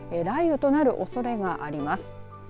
雷雨となるおそれがあります。